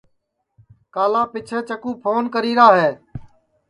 کالا پیچھیںٚس چکُو پھون کری را ہے